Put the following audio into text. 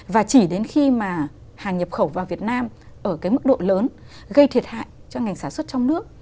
và chỉ đến khi mà hàng nhập khẩu vào việt nam ở cái mức độ lớn gây thiệt hại cho ngành sản xuất trong nước